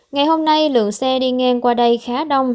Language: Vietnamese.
ngày hôm nay lượng xe đi ngang qua đây khá đông